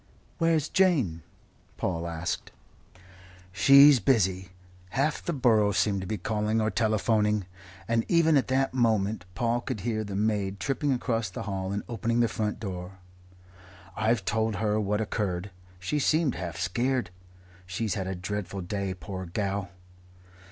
"Where's Jane?" Paul asked. "She's busy. Half the borough seem to be calling, or telephoning" and even at that moment Paul could hear the maid tripping across the hall and opening the front door "I've told her what occurred. She seemed half skeered. She's had a dreadful day, pore gal."